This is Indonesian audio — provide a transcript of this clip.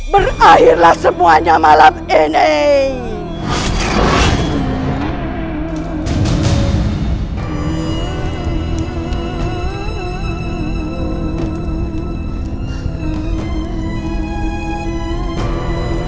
terakhirlah semuanya malam ini